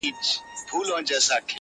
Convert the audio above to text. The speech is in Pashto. شرمنده سو ته وا ټول عالم پر خاندي؛